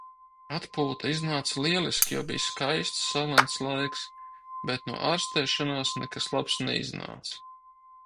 Atpūta iznāca lieliska, jo bija skaists, saulains laiks, bet no ārstēšanās nekas labs neiznāca.